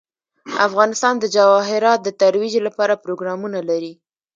افغانستان د جواهرات د ترویج لپاره پروګرامونه لري.